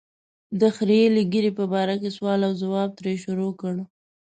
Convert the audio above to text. د خرییلې ږیرې په باره کې سوال او ځواب ترې شروع کړ.